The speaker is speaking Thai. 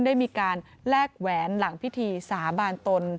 ได้มีการแลกแหวนหลังพิธีสาบานตน